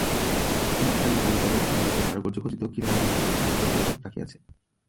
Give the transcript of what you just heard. তিন সারি বড়ো বড়ো থামের উপর কারুকার্যখচিত খিলানে বিস্তীর্ণ ছাদ ধরিয়া রাখিয়াছে।